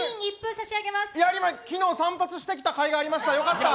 昨日散髪してきたかいがありました、よかった。